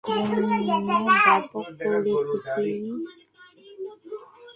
জন্য ব্যপক পরিচিত।